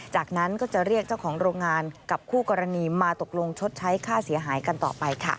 จากนั้นก็จะเรียกเจ้าของโรงงานกับคู่กรณีมาตกลงชดใช้ค่าเสียหายกันต่อไปค่ะ